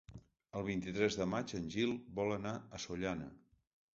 El vint-i-tres de maig en Gil vol anar a Sollana.